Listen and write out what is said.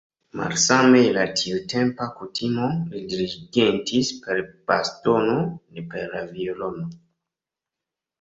Malsame je la tiutempa kutimo, li dirigentis per bastono, ne per la violono.